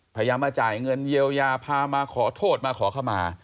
พยายามมาจ่ายเงินเยียวยาพามาขอโทษมาขอเข้ามา